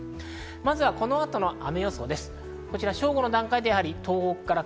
まずはこの後の雨予想です。